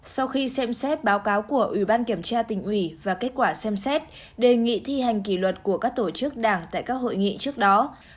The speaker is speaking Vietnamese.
sau khi xem xét báo cáo của ủy ban kiểm tra tỉnh ủy và kết quả xem xét đề nghị thi hành kỷ luật của các tổ chức đảng tại các hội nghị trước đó